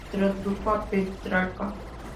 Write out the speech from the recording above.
Tradujo a Petrarca.